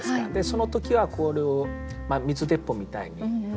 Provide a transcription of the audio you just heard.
その時はこういう水鉄砲みたいに。